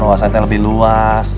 wawasan teh lebih luas